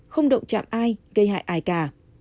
không động chạm ai gây hại ai cả